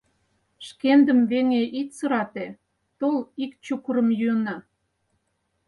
Шкендым, веҥе, ит сырате; тол, ик чукырым йӱына.